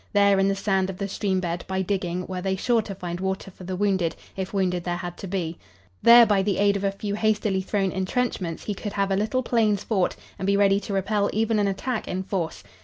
There in the sand of the stream bed, by digging, were they sure to find water for the wounded, if wounded there had to be. There by the aid of a few hastily thrown intrenchments he could have a little plains fort and be ready to repel even an attack in force.